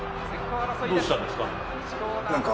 どうしたんですか？